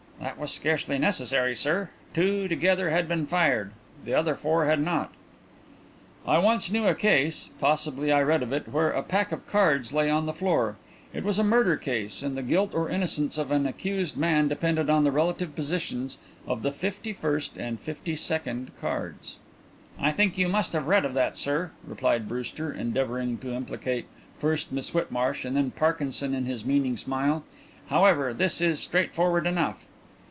"That was scarcely necessary, sir. Two, together, had been fired; the other four had not." "I once knew a case possibly I read of it where a pack of cards lay on the floor. It was a murder case and the guilt or innocence of an accused man depended on the relative positions of the fifty first and fifty second cards." "I think you must have read of that, sir," replied Brewster, endeavouring to implicate first Miss Whitmarsh and then Parkinson in his meaning smile. "However, this is straightforward enough."